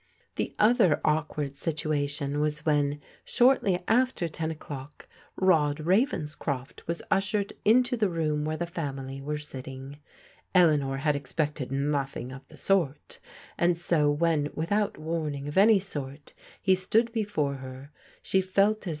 The other awkward situation was when, shortly after ten o'clock. Rod Ravenscroft was ushered into the room where the family were sitting, Eleanor had expected nothing of the sort, and so when, without warning of any sort, he stood before her, she felt mjL.